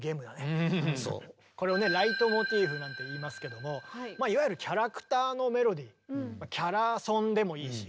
これをね「ライトモチーフ」なんていいますけどもまあいわゆるキャラクターのメロディーキャラソンでもいいし。